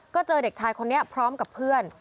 ก็เจอเด็กชายคนนี้พร้อมกับเพื่อน